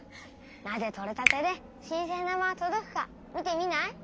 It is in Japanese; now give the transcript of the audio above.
なぜとれたてで新鮮なままとどくか見てみない？